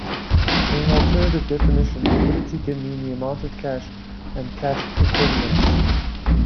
In an alternative definition, liquidity can mean the amount of cash and cash equivalents.